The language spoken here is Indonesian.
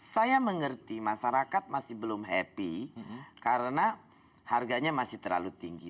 saya mengerti masyarakat masih belum happy karena harganya masih terlalu tinggi